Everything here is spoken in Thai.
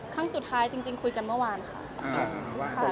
ครั้งสุดท้ายจริงคุยกันเมื่อวานค่ะ